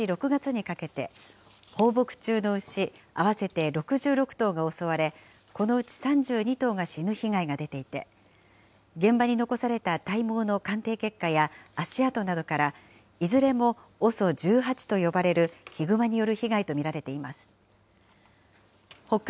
北海道東部では、４年前からことし６月にかけて、放牧中の牛、合わせて６６頭が襲われ、このうち３２頭が死ぬ被害が出ていて、現場に残された体毛の鑑定結果や足跡などから、いずれもＯＳＯ１８による呼ばれるヒグマによる被害と見られています。